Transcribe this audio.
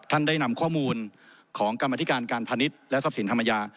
ท่านได้นำข้อมูลของกรรมธิการการพาณิชย์และทรัพย์สินธรรมยา